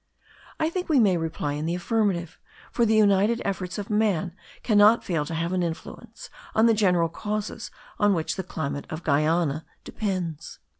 I think we may reply in the affirmative; for the united efforts of man cannot fail to have an influence on the general causes on which the climate of Guiana depends.